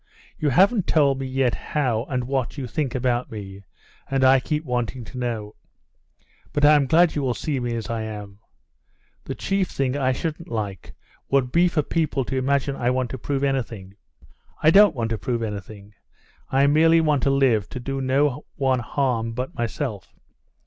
"You haven't told me yet how and what you think about me, and I keep wanting to know. But I'm glad you will see me as I am. The chief thing I shouldn't like would be for people to imagine I want to prove anything. I don't want to prove anything; I merely want to live, to do no one harm but myself.